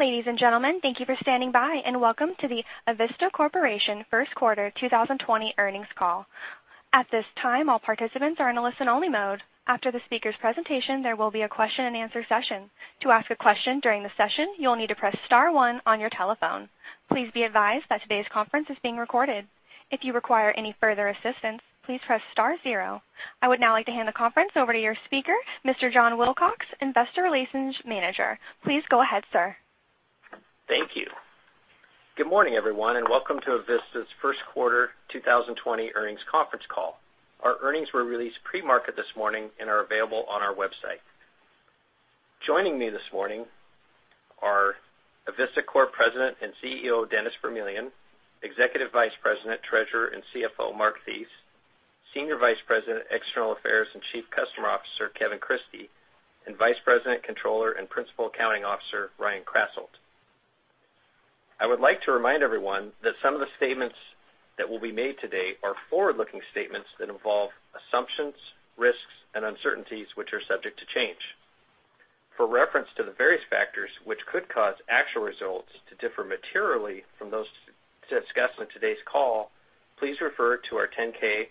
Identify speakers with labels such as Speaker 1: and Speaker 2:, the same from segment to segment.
Speaker 1: Ladies and gentlemen, thank you for standing by, and welcome to the Avista Corporation First Quarter 2020 Earnings Call. At this time, all participants are in a listen-only mode. After the speakers' presentation, there will be a question-and-answer session. To ask a question during the session, you will need to press star one on your telephone. Please be advised that today's conference is being recorded. If you require any further assistance, please press star zero. I would now like to hand the conference over to your speaker, Mr. John Wilcox, Investor Relations Manager. Please go ahead, sir.
Speaker 2: Thank you. Good morning, everyone, and welcome to Avista's First Quarter 2020 Earnings Conference Call. Our earnings were released pre-market this morning and are available on our website. Joining me this morning are Avista Corp. President and CEO, Dennis Vermillion, Executive Vice President, Treasurer, and CFO, Mark Thies, Senior Vice President, External Affairs, and Chief Customer Officer, Kevin Christie, and Vice President, Controller, and Principal Accounting Officer, Ryan Krasselt. I would like to remind everyone that some of the statements that will be made today are forward-looking statements that involve assumptions, risks, and uncertainties which are subject to change. For reference to the various factors which could cause actual results to differ materially from those discussed on today's call, please refer to our 10-K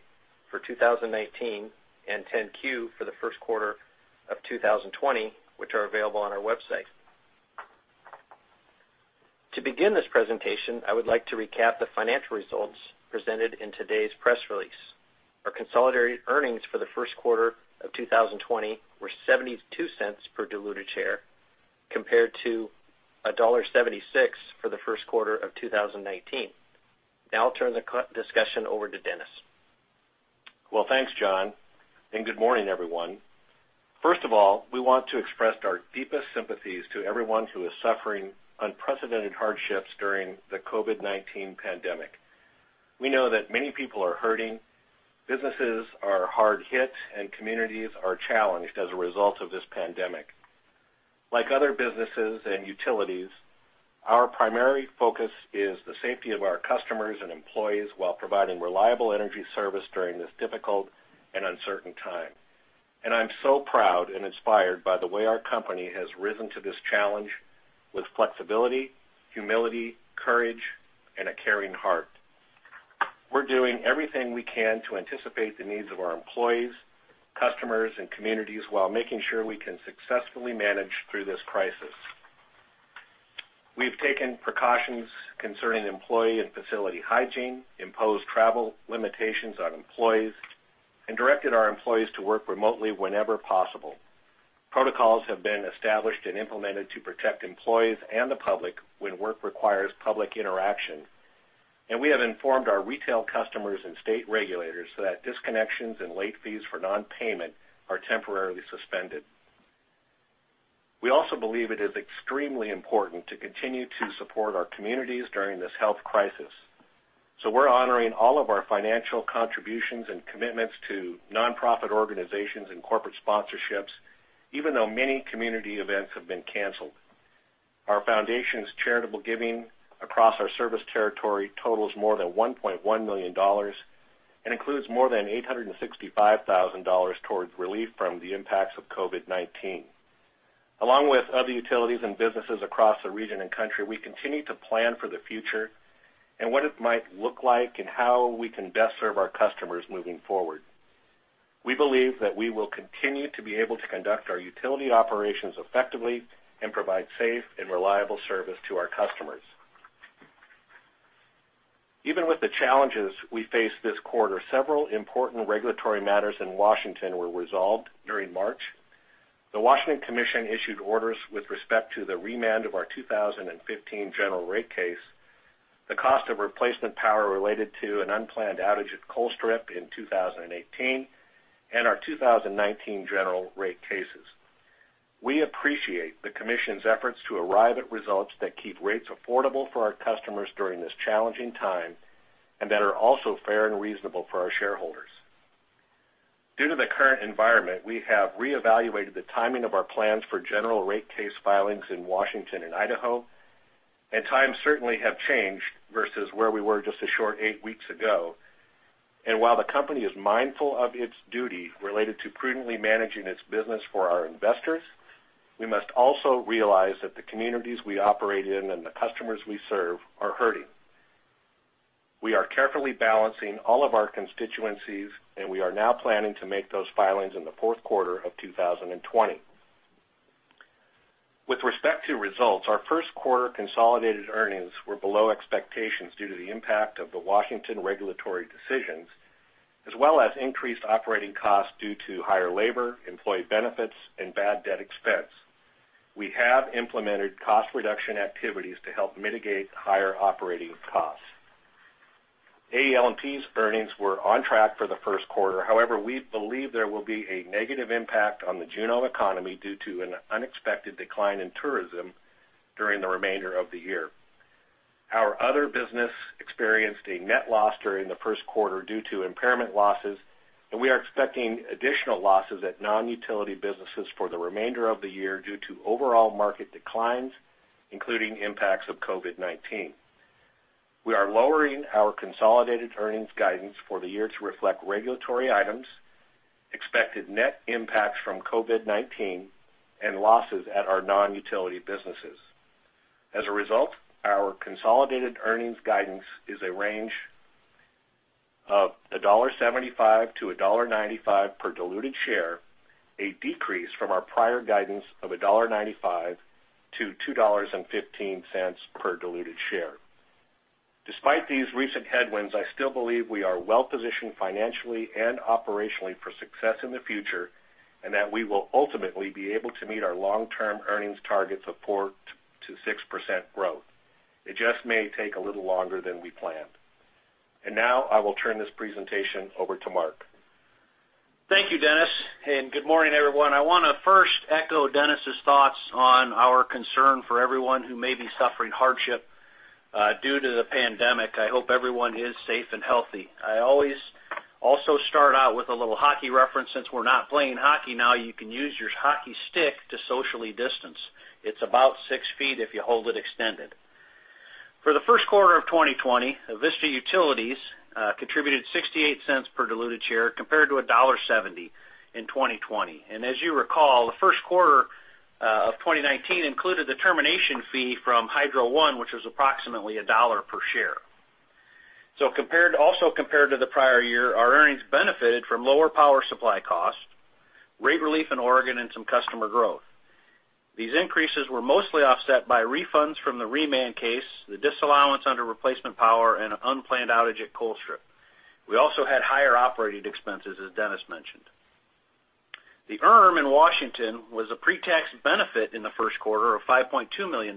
Speaker 2: for 2019 and 10-Q for the first quarter of 2020, which are available on our website. To begin this presentation, I would like to recap the financial results presented in today's press release. Our consolidated earnings for the first quarter of 2020 were $0.72 per diluted share compared to $1.76 for the first quarter of 2019. Now I'll turn the discussion over to Dennis.
Speaker 3: Well, thanks, John. Good morning, everyone. First of all, we want to express our deepest sympathies to everyone who is suffering unprecedented hardships during the COVID-19 pandemic. We know that many people are hurting, businesses are hard-hit, and communities are challenged as a result of this pandemic. Like other businesses and utilities, our primary focus is the safety of our customers and employees while providing reliable energy service during this difficult and uncertain time. I'm so proud and inspired by the way our company has risen to this challenge with flexibility, humility, courage, and a caring heart. We're doing everything we can to anticipate the needs of our employees, customers, and communities while making sure we can successfully manage through this crisis. We've taken precautions concerning employee and facility hygiene, imposed travel limitations on employees, and directed our employees to work remotely whenever possible. Protocols have been established and implemented to protect employees and the public when work requires public interaction, and we have informed our retail customers and state regulators that disconnections and late fees for non-payment are temporarily suspended. We also believe it is extremely important to continue to support our communities during this health crisis, so we're honoring all of our financial contributions and commitments to non-profit organizations and corporate sponsorships, even though many community events have been canceled. Our foundation's charitable giving across our service territory totals more than $1.1 million and includes more than $865,000 towards relief from the impacts of COVID-19. Along with other utilities and businesses across the region and country, we continue to plan for the future and what it might look like and how we can best serve our customers moving forward. We believe that we will continue to be able to conduct our utility operations effectively and provide safe and reliable service to our customers. Even with the challenges we faced this quarter, several important regulatory matters in Washington were resolved during March. The Washington Commission issued orders with respect to the remand of our 2015 general rate case, the cost of replacement power related to an unplanned outage at Colstrip in 2018, and our 2019 general rate cases. We appreciate the Commission's efforts to arrive at results that keep rates affordable for our customers during this challenging time and that are also fair and reasonable for our shareholders. Due to the current environment, we have reevaluated the timing of our plans for general rate case filings in Washington and Idaho, and times certainly have changed versus where we were just a short eight weeks ago. While the company is mindful of its duty related to prudently managing its business for our investors, we must also realize that the communities we operate in and the customers we serve are hurting. We are carefully balancing all of our constituencies, and we are now planning to make those filings in the fourth quarter of 2020. With respect to results, our first quarter consolidated earnings were below expectations due to the impact of the Washington regulatory decisions, as well as increased operating costs due to higher labor, employee benefits, and bad debt expense. We have implemented cost reduction activities to help mitigate higher operating costs. AEL&P's earnings were on track for the first quarter. However, we believe there will be a negative impact on the Juneau economy due to an unexpected decline in tourism during the remainder of the year. Our other business experienced a net loss during the first quarter due to impairment losses, and we are expecting additional losses at non-utility businesses for the remainder of the year due to overall market declines, including impacts of COVID-19. We are lowering our consolidated earnings guidance for the year to reflect regulatory items, expected net impacts from COVID-19, and losses at our non-utility businesses. As a result, our consolidated earnings guidance is a range of $1.75-$1.95 per diluted share, a decrease from our prior guidance of $1.95-$2.15 per diluted share. Despite these recent headwinds, I still believe we are well-positioned financially and operationally for success in the future, and that we will ultimately be able to meet our long-term earnings targets of 4%-6% growth. It just may take a little longer than we planned. Now I will turn this presentation over to Mark.
Speaker 4: Thank you, Dennis. Good morning, everyone. I want to first echo Dennis's thoughts on our concern for everyone who may be suffering hardship due to the pandemic. I hope everyone is safe and healthy. I always also start out with a little hockey reference. Since we're not playing hockey now, you can use your hockey stick to socially distance. It's about six feet if you hold it extended. For the first quarter of 2020, Avista Utilities contributed $0.68 per diluted share compared to $1.70 in 2020. As you recall, the first quarter of 2019 included the termination fee from Hydro One, which was approximately $1 per share. Also compared to the prior year, our earnings benefited from lower power supply costs, rate relief in Oregon, and some customer growth. These increases were mostly offset by refunds from the remand case, the disallowance under replacement power, and an unplanned outage at Colstrip. We also had higher operating expenses, as Dennis mentioned. The ERM in Washington was a pre-tax benefit in the first quarter of $5.2 million,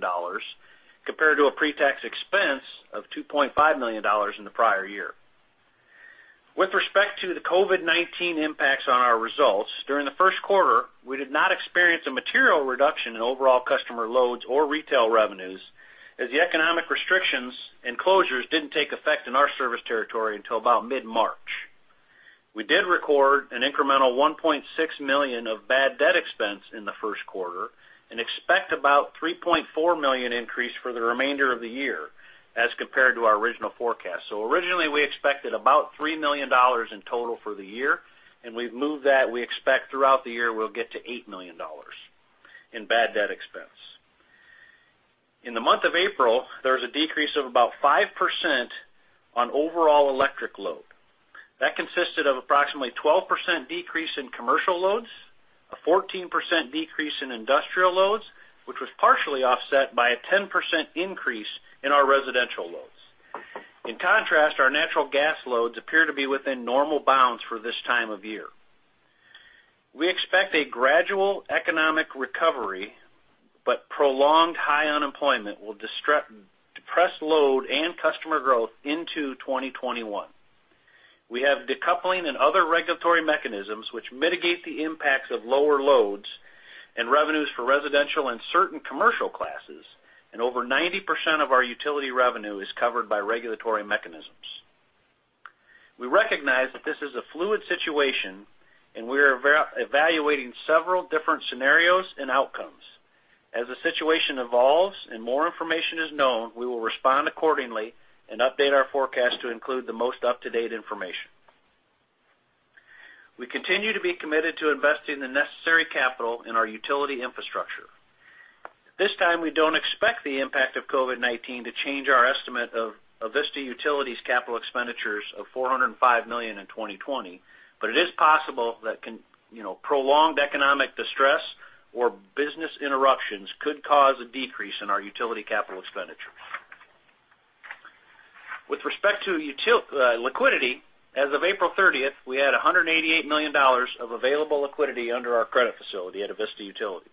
Speaker 4: compared to a pre-tax expense of $2.5 million in the prior year. With respect to the COVID-19 impacts on our results, during the first quarter, we did not experience a material reduction in overall customer loads or retail revenues, as the economic restrictions and closures didn't take effect in our service territory until about mid-March. We did record an incremental $1.6 million of bad debt expense in the first quarter and expect about $3.4 million increase for the remainder of the year as compared to our original forecast. Originally, we expected about $3 million in total for the year, and we've moved that. We expect throughout the year we'll get to $8 million in bad debt expense. In the month of April, there was a decrease of about 5% on overall electric load. That consisted of approximately 12% decrease in commercial loads, a 14% decrease in industrial loads, which was partially offset by a 10% increase in our residential loads. In contrast, our natural gas loads appear to be within normal bounds for this time of year. We expect a gradual economic recovery, but prolonged high unemployment will depress load and customer growth into 2021. We have decoupling and other regulatory mechanisms which mitigate the impacts of lower loads and revenues for residential and certain commercial classes, and over 90% of our utility revenue is covered by regulatory mechanisms. We recognize that this is a fluid situation, and we are evaluating several different scenarios and outcomes. As the situation evolves and more information is known, we will respond accordingly and update our forecast to include the most up-to-date information. We continue to be committed to investing the necessary capital in our utility infrastructure. This time, we don't expect the impact of COVID-19 to change our estimate of Avista Utilities' capital expenditures of $405 million in 2020, but it is possible that prolonged economic distress or business interruptions could cause a decrease in our utility capital expenditure. With respect to liquidity, as of April 30th, we had $188 million of available liquidity under our credit facility at Avista Utilities.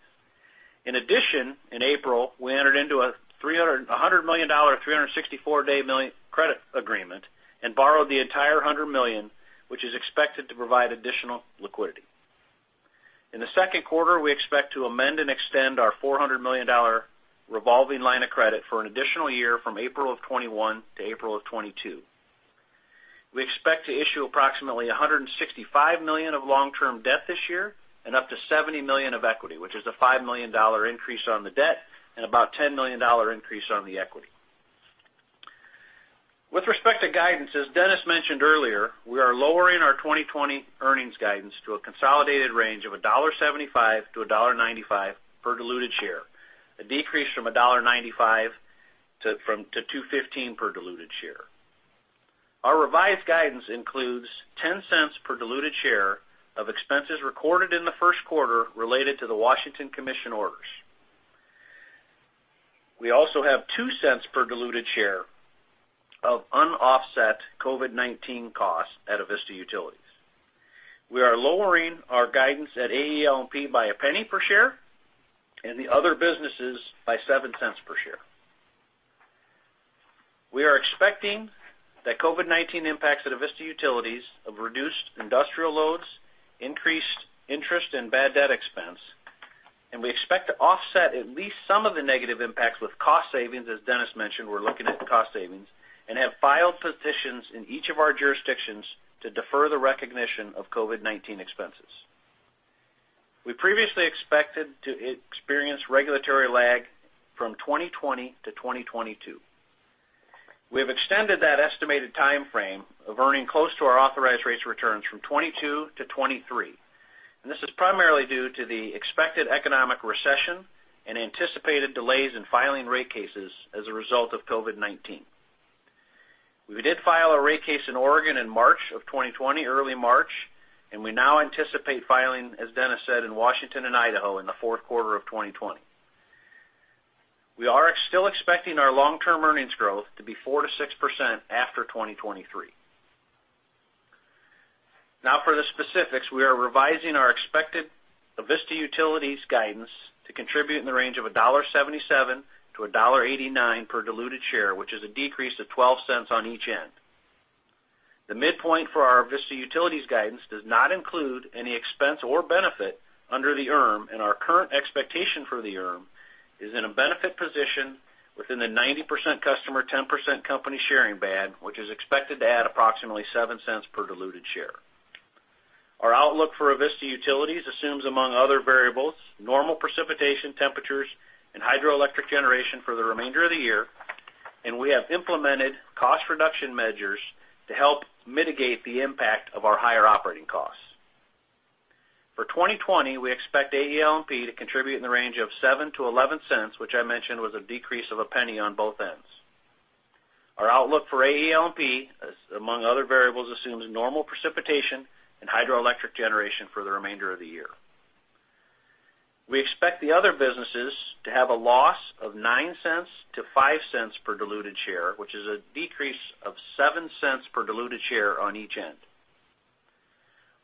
Speaker 4: In addition, in April, we entered into a $100 million, 364-day credit agreement and borrowed the entire $100 million, which is expected to provide additional liquidity. In the second quarter, we expect to amend and extend our $400 million revolving line of credit for an additional year from April of 2021 to April of 2022. We expect to issue approximately $165 million of long-term debt this year and up to $70 million of equity, which is a $5 million increase on the debt and about $10 million increase on the equity. With respect to guidance, as Dennis mentioned earlier, we are lowering our 2020 earnings guidance to a consolidated range of $1.75-$1.95 per diluted share, a decrease from $1.95-$2.15 per diluted share. Our revised guidance includes $0.10 per diluted share of expenses recorded in the first quarter related to the Washington Commission orders. We also have $0.02 per diluted share of unoffset COVID-19 costs at Avista Utilities. We are lowering our guidance at AEL&P by $0.01 per share and the other businesses by $0.07 per share. We are expecting the COVID-19 impacts at Avista Utilities of reduced industrial loads, increased interest and bad debt expense, we expect to offset at least some of the negative impacts with cost savings. As Dennis mentioned, we're looking at cost savings and have filed petitions in each of our jurisdictions to defer the recognition of COVID-19 expenses. We previously expected to experience regulatory lag from 2020 to 2022. We have extended that estimated timeframe of earning close to our authorized rates returns from 2022 to 2023. This is primarily due to the expected economic recession and anticipated delays in filing rate cases as a result of COVID-19. We did file a rate case in Oregon in March 2020, early March, and we now anticipate filing, as Dennis said, in Washington and Idaho in the fourth quarter of 2020. We are still expecting our long-term earnings growth to be 4%-6% after 2023. Now, for the specifics, we are revising our expected Avista Utilities guidance to contribute in the range of $1.77-$1.89 per diluted share, which is a decrease of $0.12 on each end. The midpoint for our Avista Utilities guidance does not include any expense or benefit under the ERM, and our current expectation for the ERM is in a benefit position within the 90% customer, 10% company sharing band, which is expected to add approximately $0.07 per diluted share. Our outlook for Avista Utilities assumes, among other variables, normal precipitation temperatures and hydroelectric generation for the remainder of the year, and we have implemented cost reduction measures to help mitigate the impact of our higher operating costs. For 2020, we expect AEL&P to contribute in the range of $0.07-$0.11, which I mentioned was a decrease of $0.01 on both ends. Our outlook for AEL&P, among other variables, assumes normal precipitation and hydroelectric generation for the remainder of the year. We expect the other businesses to have a loss of $0.09-$0.05 per diluted share, which is a decrease of $0.07 per diluted share on each end.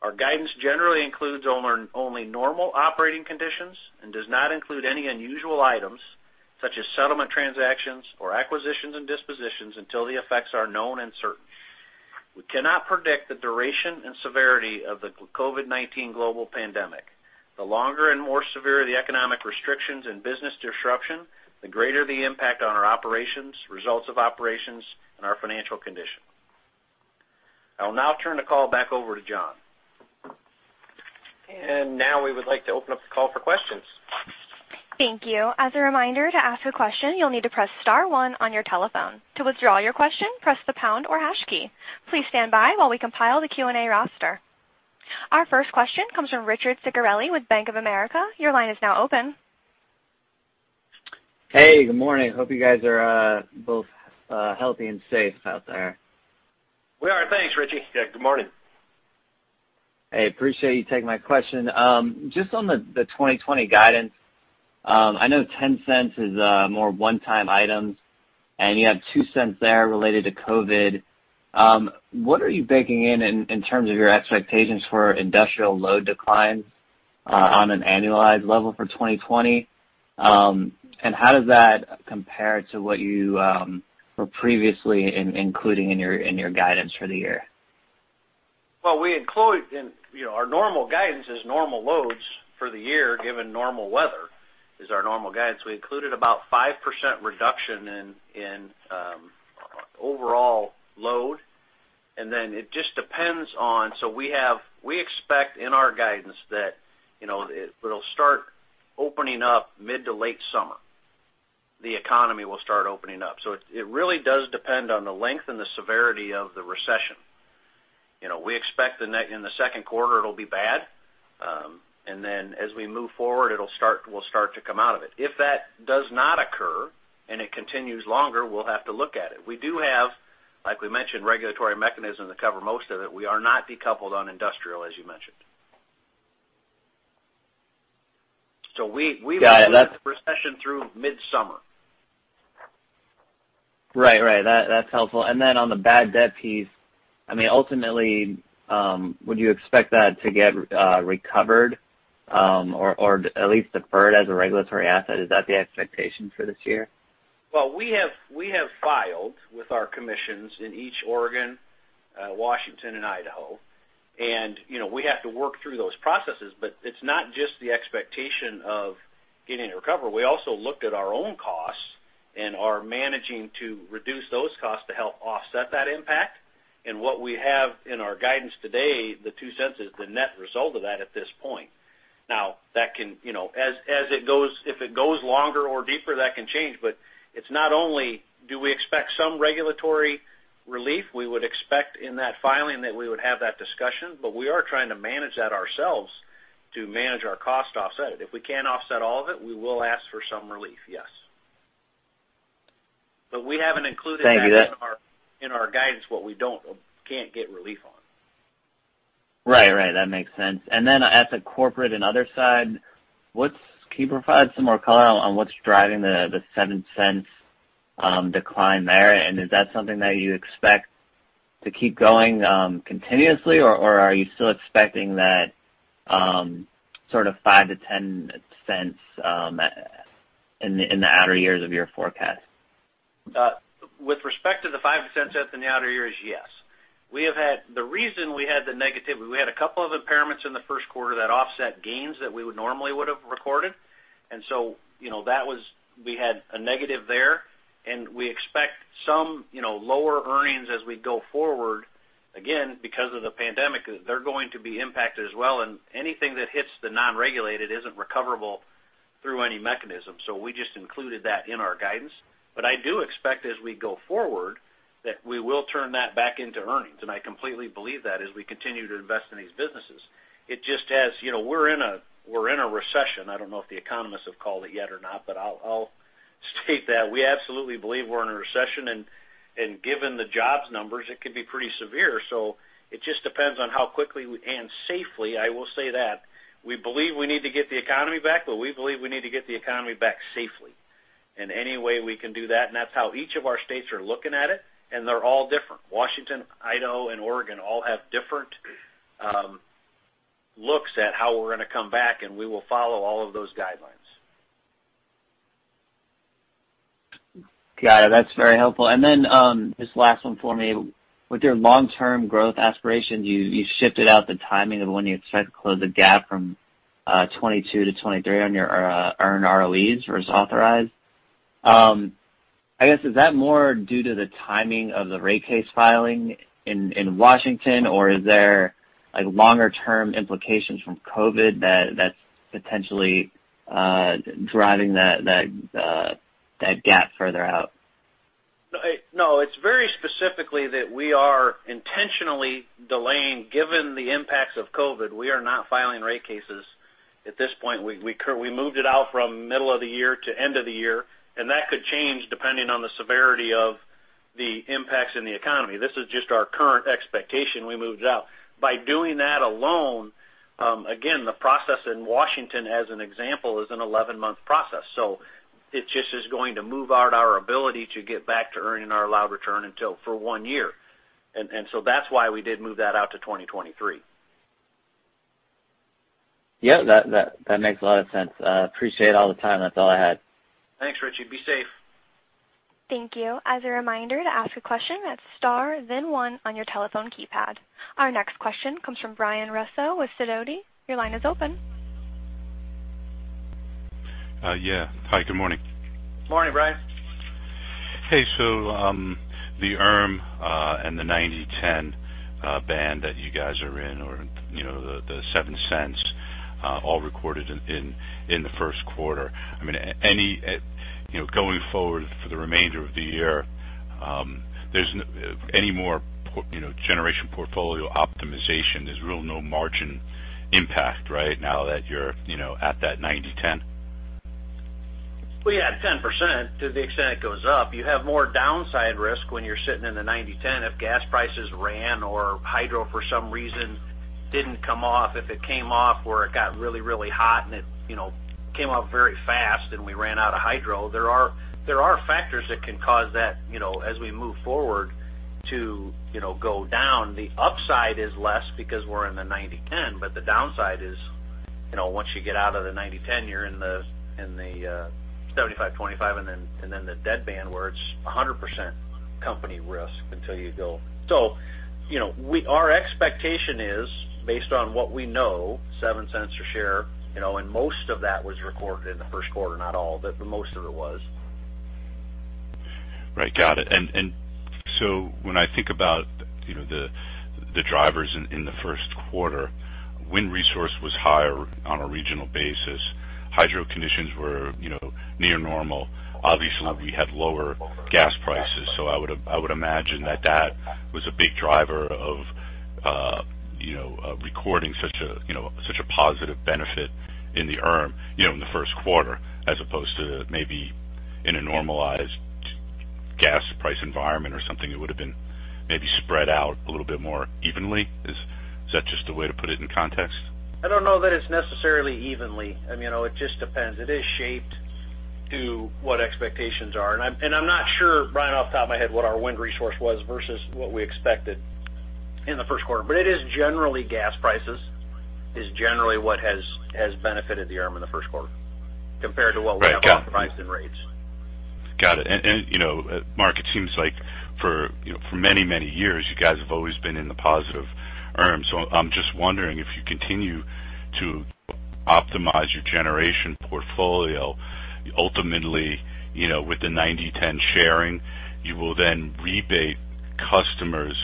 Speaker 4: Our guidance generally includes only normal operating conditions and does not include any unusual items such as settlement transactions or acquisitions and dispositions until the effects are known and certain. We cannot predict the duration and severity of the COVID-19 global pandemic. The longer and more severe the economic restrictions and business disruption, the greater the impact on our operations, results of operations, and our financial condition. I will now turn the call back over to John.
Speaker 2: Now we would like to open up the call for questions.
Speaker 1: Thank you. As a reminder, to ask a question, you'll need to press star one on your telephone. To withdraw your question, press the pound key. Please stand by while we compile the Q&A roster. Our first question comes from Richard Ciciarelli with Bank of America. Your line is now open.
Speaker 5: Hey. Good morning. Hope you guys are both healthy and safe out there.
Speaker 4: We are. Thanks, Richie.
Speaker 3: Yeah. Good morning.
Speaker 5: Hey. Appreciate you taking my question. Just on the 2020 guidance, I know $0.10 is more one-time items, you have $0.02 there related to COVID. What are you baking in in terms of your expectations for industrial load declines on an annualized level for 2020? How does that compare to what you were previously including in your guidance for the year?
Speaker 4: Well, our normal guidance is normal loads for the year given normal weather. Is our normal guidance. We included about 5% reduction in overall load, and then it just depends. We expect in our guidance that it'll start opening up mid to late summer. The economy will start opening up. It really does depend on the length and the severity of the recession. We expect in the second quarter it'll be bad, and then as we move forward, we'll start to come out of it. If that does not occur and it continues longer, we'll have to look at it. We do have, like we mentioned, regulatory mechanisms that cover most of it. We are not decoupled on industrial, as you mentioned.
Speaker 5: Got it.
Speaker 4: expect the recession through midsummer.
Speaker 5: Right. That's helpful. Then on the bad debt piece, ultimately, would you expect that to get recovered or at least deferred as a regulatory asset? Is that the expectation for this year?
Speaker 4: Well, we have filed with our commissions in each Oregon, Washington, and Idaho. We have to work through those processes. It's not just the expectation of getting a recovery. We also looked at our own costs and are managing to reduce those costs to help offset that impact. What we have in our guidance today, the $0.02 is the net result of that at this point. Now, if it goes longer or deeper, that can change. It's not only do we expect some regulatory relief, we would expect in that filing that we would have that discussion, but we are trying to manage that ourselves to manage our cost offset. If we can't offset all of it, we will ask for some relief, yes. We haven't included that.
Speaker 5: Thank you.
Speaker 4: In our guidance what we can't get relief on.
Speaker 5: Right. That makes sense. Then at the Corporate and Other side, can you provide some more color on what's driving the $0.07 decline there? Is that something that you expect to keep going continuously, or are you still expecting that sort of $0.05-$0.10 in the outer years of your forecast?
Speaker 4: With respect to the $0.05 to $0.10 in the outer years, yes. The reason we had the negative, we had a couple of impairments in the first quarter that offset gains that we would normally would have recorded. We had a negative there, and we expect some lower earnings as we go forward, again, because of the pandemic. They're going to be impacted as well. Anything that hits the non-regulated isn't recoverable through any mechanism. We just included that in our guidance. I do expect as we go forward, that we will turn that back into earnings, and I completely believe that as we continue to invest in these businesses. We're in a recession. I don't know if the economists have called it yet or not, I'll state that we absolutely believe we're in a recession, given the jobs numbers, it could be pretty severe. It just depends on how quickly and safely, I will say that. We believe we need to get the economy back, we believe we need to get the economy back safely. Any way we can do that's how each of our states are looking at it, they're all different. Washington, Idaho, and Oregon all have different looks at how we're going to come back, we will follow all of those guidelines.
Speaker 5: Got it. That's very helpful. Just last one for me. With your long-term growth aspirations, you shifted out the timing of when you expect to close the gap from 2022 to 2023 on your earned ROEs versus authorized. I guess, is that more due to the timing of the rate case filing in Washington or is there longer term implications from COVID that's potentially driving that gap further out?
Speaker 4: No, it's very specifically that we are intentionally delaying. Given the impacts of COVID-19, we are not filing rate cases at this point. We moved it out from middle of the year to end of the year. That could change depending on the severity of the impacts in the economy. This is just our current expectation. We moved it out. By doing that alone, again, the process in Washington, as an example, is an 11-month process. It just is going to move out our ability to get back to earning our allowed return for one year. That's why we did move that out to 2023.
Speaker 5: Yeah. That makes a lot of sense. Appreciate all the time. That's all I had.
Speaker 4: Thanks, Richie. Be safe.
Speaker 1: Thank you. As a reminder, to ask a question, that's star then one on your telephone keypad. Our next question comes from Brian Russo with Sidoti. Your line is open.
Speaker 6: Yeah. Hi, good morning.
Speaker 4: Morning, Brian.
Speaker 6: Hey. The ERM, and the 90/10 band that you guys are in or the $0.07 all recorded in the first quarter. Going forward for the remainder of the year, any more generation portfolio optimization, there's real no margin impact right now that you're at that 90/10?
Speaker 4: Well, you add 10% to the extent it goes up. You have more downside risk when you're sitting in the 90/10 if gas prices ran or hydro, for some reason, didn't come off. If it came off or it got really hot and it came off very fast and we ran out of hydro. There are factors that can cause that as we move forward to go down. The upside is less because we're in the 90/10, but the downside is once you get out of the 90/10, you're in the 75/25, and then the dead band where it's 100% company risk. Our expectation is based on what we know, $0.07 a share, and most of that was recorded in the first quarter. Not all, but the most of it was.
Speaker 6: Right. Got it. When I think about the drivers in the first quarter, wind resource was higher on a regional basis. Hydro conditions were near normal. Obviously, we had lower gas prices. So I would imagine that that was a big driver of recording such a positive benefit in the ERM in the first quarter as opposed to maybe in a normalized gas price environment or something, it would've been maybe spread out a little bit more evenly. Is that just the way to put it in context?
Speaker 4: I don't know that it's necessarily evenly. It just depends. It is shaped to what expectations are. I'm not sure, Brian, off the top of my head what our wind resource was versus what we expected in the first quarter. It is generally gas prices, is generally what has benefited the ERM in the first quarter compared to what we have priced in rates.
Speaker 6: Got it. Mark, it seems like for many years you guys have always been in the positive ERM. I'm just wondering if you continue to optimize your generation portfolio, ultimately, with the 90/10 sharing, you will then rebate customers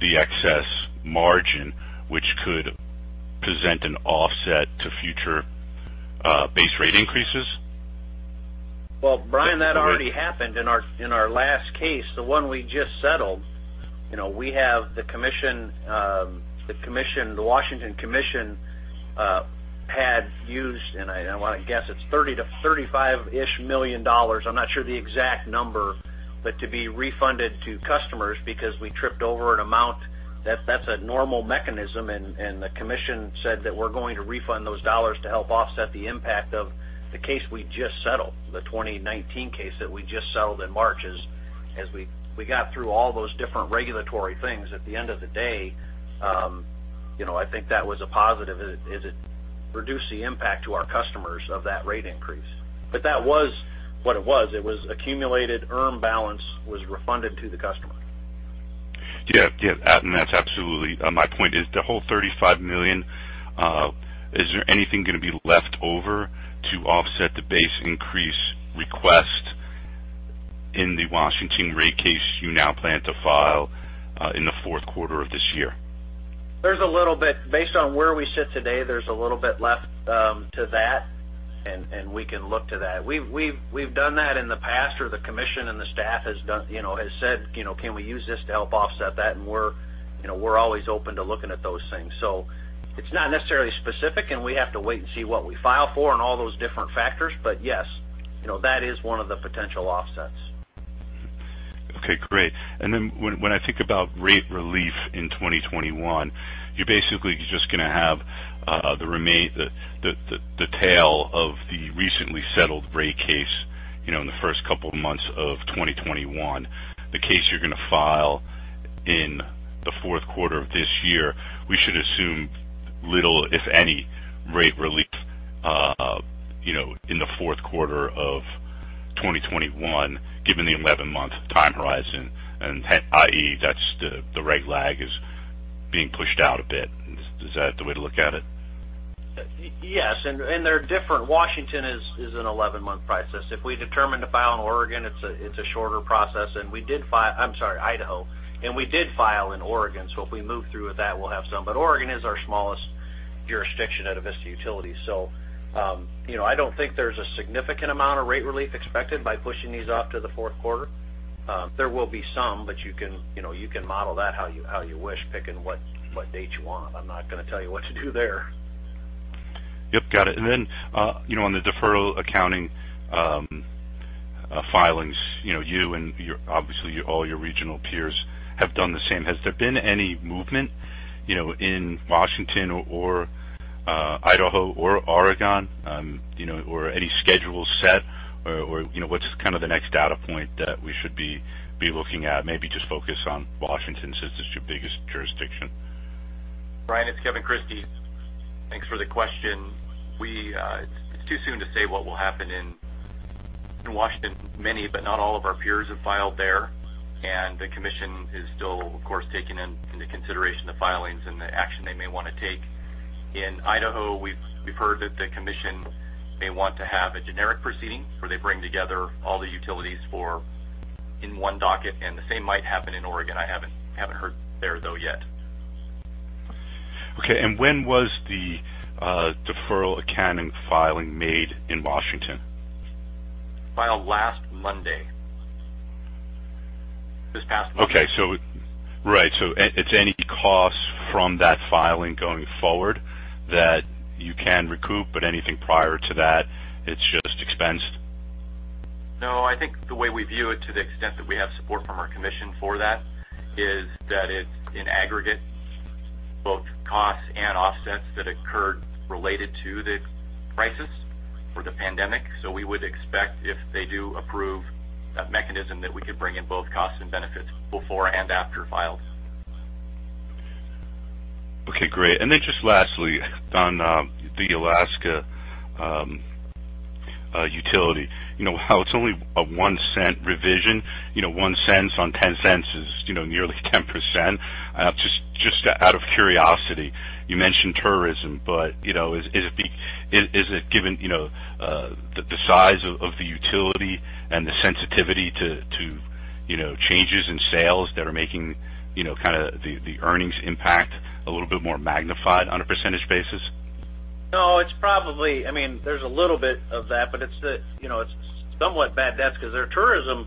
Speaker 6: the excess margin, which could present an offset to future base rate increases?
Speaker 4: Well, Brian, that already happened in our last case, the one we just settled. The Washington Commission had used, and I want to guess it's $30 million-$35 million, I'm not sure the exact number, but to be refunded to customers because we tripped over an amount. That's a normal mechanism, and the Commission said that we're going to refund those dollars to help offset the impact of the case we just settled, the 2019 case that we just settled in March. As we got through all those different regulatory things, at the end of the day, I think that was a positive as it reduced the impact to our customers of that rate increase. That was what it was. Accumulated ERM balance was refunded to the customer.
Speaker 6: Yeah. That's absolutely my point is the whole $35 million, is there anything going to be left over to offset the base increase request in the Washington rate case you now plan to file in the fourth quarter of this year?
Speaker 4: There's a little bit. Based on where we sit today, there's a little bit left to that, and we can look to that. We've done that in the past where the commission and the staff has said, "Can we use this to help offset that?" We're always open to looking at those things. It's not necessarily specific, and we have to wait and see what we file for and all those different factors. Yes, that is one of the potential offsets.
Speaker 6: Okay, great. When I think about rate relief in 2021, you're basically just going to have the tail of the recently settled rate case in the first couple of months of 2021. The case you're going to file in the fourth quarter of this year, we should assume little, if any, rate relief in the fourth quarter of 2021, given the 11-month time horizon, and i.e., that's the rate lag is being pushed out a bit. Is that the way to look at it?
Speaker 4: Yes. They're different. Washington is an 11-month process. If we determine to file in Oregon, it's a shorter process. I'm sorry, Idaho. We did file in Oregon, so if we move through with that, we'll have some. Oregon is our smallest jurisdiction out of Avista Utilities. I don't think there's a significant amount of rate relief expected by pushing these off to the fourth quarter. There will be some, but you can model that how you wish, picking what date you want. I'm not going to tell you what to do there.
Speaker 6: Yep, got it. On the deferral accounting filings, you and obviously all your regional peers have done the same. Has there been any movement in Washington or Idaho or Oregon? Any schedules set or what's the next data point that we should be looking at? Maybe just focus on Washington since it's your biggest jurisdiction.
Speaker 7: Brian, it's Kevin Christie. Thanks for the question. It's too soon to say what will happen in Washington. Many, but not all of our peers have filed there, and the commission is still, of course, taking into consideration the filings and the action they may want to take. In Idaho, we've heard that the commission may want to have a generic proceeding where they bring together all the utilities in one docket, and the same might happen in Oregon. I haven't heard there, though, yet.
Speaker 6: Okay, when was the deferral accounting filing made in Washington?
Speaker 7: Filed last Monday. This past Monday.
Speaker 6: Okay. Right. It's any cost from that filing going forward that you can recoup, but anything prior to that, it's just expensed?
Speaker 7: No, I think the way we view it to the extent that we have support from our commission for that is that it's in aggregate both costs and offsets that occurred related to the crisis for the pandemic. We would expect if they do approve a mechanism that we could bring in both costs and benefits before and after files.
Speaker 6: Okay, great. Just lastly, on the Alaska utility. How it's only a $0.01 revision, $0.01 on $0.10 is nearly 10%. Just out of curiosity, you mentioned tourism, but is it given the size of the utility and the sensitivity to changes in sales that are making the earnings impact a little bit more magnified on a percentage basis?
Speaker 4: No, there's a little bit of that, but it's somewhat bad debts because their tourism,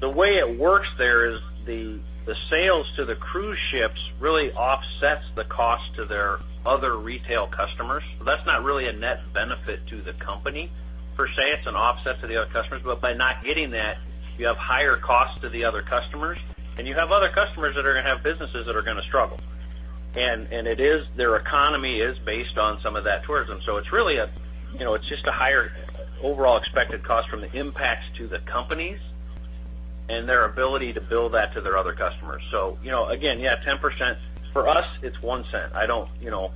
Speaker 4: the way it works there is the sales to the cruise ships really offsets the cost to their other retail customers. That's not really a net benefit to the company. Per se, it's an offset to the other customers. By not getting that, you have higher costs to the other customers, and you have other customers that are going to have businesses that are going to struggle. Their economy is based on some of that tourism. It's just a higher overall expected cost from the impacts to the companies and their ability to bill that to their other customers. Again, yeah, 10%. For us, it's $0.01.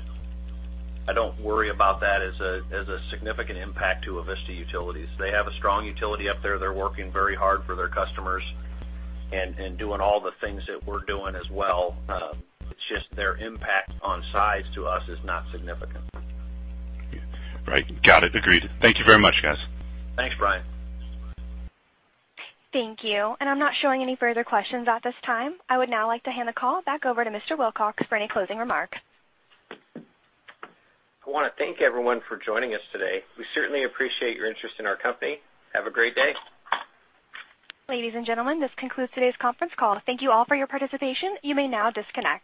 Speaker 4: I don't worry about that as a significant impact to Avista Utilities. They have a strong utility up there. They're working very hard for their customers and doing all the things that we're doing as well. It's just their impact on size to us is not significant.
Speaker 6: Right. Got it. Agreed. Thank you very much, guys.
Speaker 4: Thanks, Brian.
Speaker 1: Thank you. I'm not showing any further questions at this time. I would now like to hand the call back over to Mr. Wilcox for any closing remarks.
Speaker 2: I want to thank everyone for joining us today. We certainly appreciate your interest in our company. Have a great day.
Speaker 1: Ladies and gentlemen, this concludes today's conference call. Thank you all for your participation. You may now disconnect.